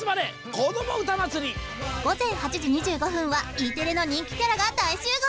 こどもうたま午前８時２５分は、Ｅテレの人気キャラが大集合。